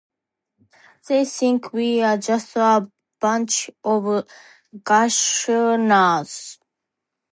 They think we're just a bunch of gashousers.